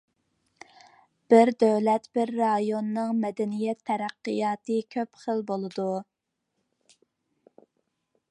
بىر دۆلەت، بىر رايوننىڭ مەدەنىيەت تەرەققىياتى كۆپ خىل بولىدۇ.